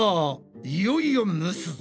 いよいよ蒸すぞ！